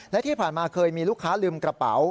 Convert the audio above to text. และที่ผ่านมาเคยมีลูกค้าลืมกระเป๋า